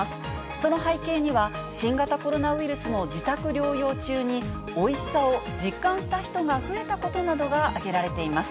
その背景には、新型コロナウイルスの自宅療養中においしさを実感した人が増えたことなどが挙げられています。